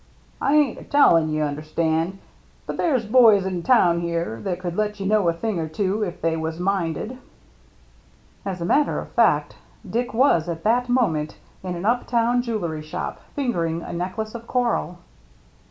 "I ain't a tellin', you understand, but there's boys in town here that could let you know a thing or two if they was minded." As a matter of fact, Dick was at that mo ment in an up town jewellery shop, fingering a necklace of coral.